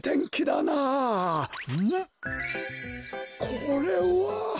これは！